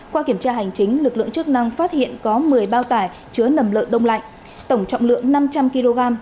qua kiểm tra hành chính lực lượng chức năng phát hiện có một mươi bao tải chứa nầm lợn đông lạnh tổng trọng lượng năm trăm linh kg